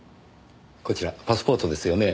こちらパスポートですよねぇ。